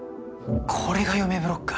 これが嫁ブロック。